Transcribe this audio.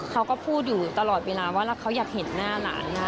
เขาก็พูดอยู่ตลอดเวลาว่าเขาอยากเห็นหน้าหลานนะ